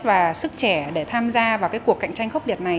và sức trẻ để tham gia vào cái cuộc cạnh tranh khốc liệt này